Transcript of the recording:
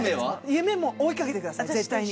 夢も追いかけてください絶対に。